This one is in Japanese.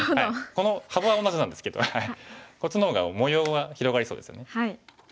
この幅は同じなんですけどこっちの方が模様は広がりそうですよね。